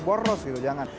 boros gitu jangan